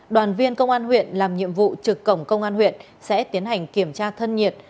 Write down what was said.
đoàn viên công an huyện làm nhiệm vụ trực cổng công an huyện sẽ tiến hành kiểm tra thân nhiệt